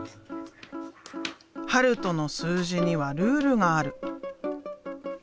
悠斗の数字にはルールがある。